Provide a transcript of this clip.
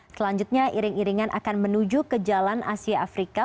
selanjutnya iring iringan akan menuju ke jalan asia afrika